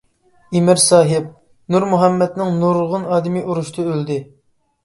ئىمىر ساھىب-نۇرمۇھەممەتنىڭ نۇرغۇن ئادىمى ئۇرۇشتا ئۆلدى.